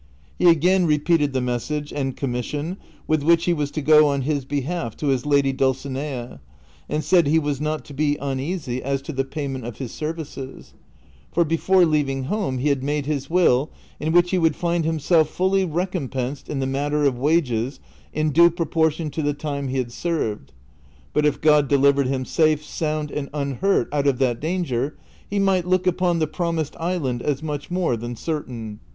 He again repeated the mes sage and commission with which he was to go on his behalf to his lad} Dulcinea. and said he was not to be uneasy as to the CHAPTER XX. 143 payment of his services, for before leaving home he liad made liis will, in which he would find himself fully recompensed in the matter of wages in due proportion to the time he had served ; but if God delivered him safe, sound, and unhurt out of that danger, he might look upon the promised island as. much more than certain.